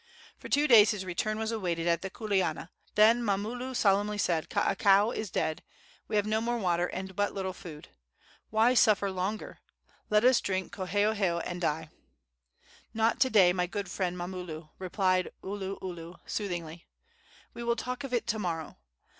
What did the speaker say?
For two days his return was awaited at the kuleana. Then Mamulu solemnly said: "Kaakao is dead. We have no more water and but little food. Why suffer longer? Let us drink koheoheo and die." "Not to day, my good friend Mamulu," replied Oluolu, soothingly. "We will talk of it to morrow.